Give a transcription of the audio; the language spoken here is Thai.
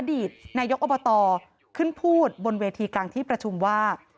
อดีตนายกอบตขึ้นพูดบนเวทีกลางที่ประชุมว่า